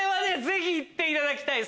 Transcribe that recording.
ぜひ行っていただきたい。